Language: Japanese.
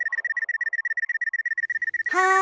はい。